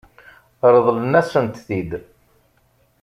Ṛeḍlen-asent-t-id?